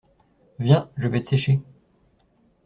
Viens, je vais te sécher.